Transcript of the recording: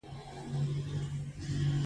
نو اضافي ارزښت به پنځوس میلیونه افغانۍ وي